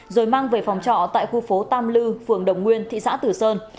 rồi mang về phòng trọ tại khu phố tam lư phường đồng nguyên thị xã tử sơn